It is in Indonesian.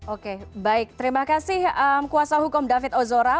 oke baik terima kasih kuasa hukum david ozora